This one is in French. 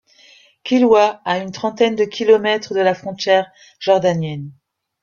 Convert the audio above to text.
Kilwa, à une trentaine de kilomètres de la frontière jordanienne.